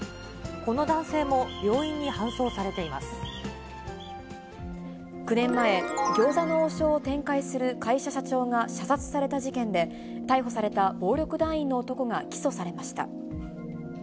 この男性も病院に搬送されていま９年前、餃子の王将を展開する会社社長が射殺された事件で、逮捕された暴力団員の男が起訴されました。